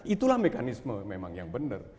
itulah mekanisme memang yang benar